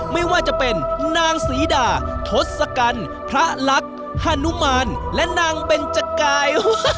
ไม่ว่าจะเป็นนางศรีดาทศกัณฐ์พระลักษณ์ฮานุมานและนางเบนจกาย